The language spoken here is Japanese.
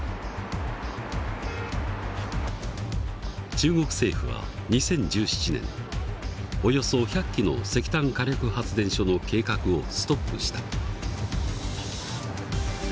中国政府は２０１７年およそ１００基の石炭火力発電所の計画をストップした。